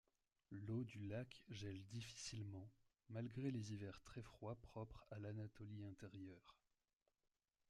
L'eau du lac gèle difficilement, malgré les hivers très froids propres à l'Anatolie intérieure.